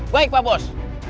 baik pak bos